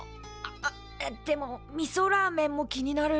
あっでもみそラーメンも気になる。